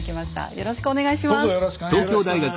よろしくお願いします。